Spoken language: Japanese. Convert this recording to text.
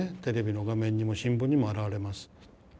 テレビの画面にも新聞にも現れます。